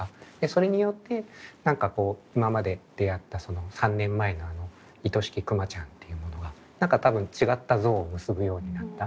それによって何かこう今まで出会ったその３年前のあのいとしきくまちゃんっていうものが何か多分違った像を結ぶようになった。